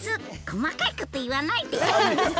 細かいこと言わないで！